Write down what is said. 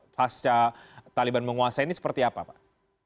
pasca taliban menguasai ini seperti apa pak